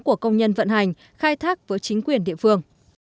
của công nhân vận hành khai thác với chính quyền địa phương